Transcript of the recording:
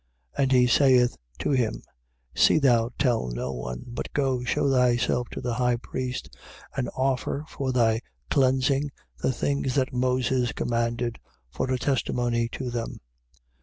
1:44. And he saith to him: See thou tell no one; but go, shew thyself to the high priest and offer for thy cleansing the things that Moses commanded, for a testimony to them.